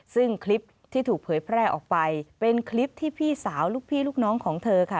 ซึ่งคลิปที่ถูกเผยแพร่ออกไปเป็นคลิปที่พี่สาวลูกพี่ลูกน้องของเธอค่ะ